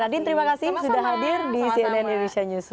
kadin terima kasih sudah hadir di cnn indonesia newsroom